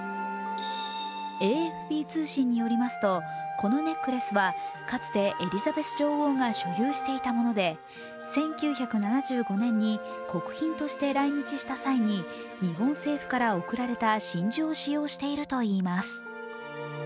ＡＦＰ通信によりますとこのネックレスはかつてエリザベス女王が所有していたもので１９７５年に国賓として来日した際に日本政府から贈られた真珠を使用しているといいます。